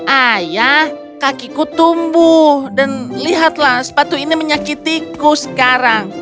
ayah kakiku tumbuh dan lihatlah sepatu ini menyakitiku sekarang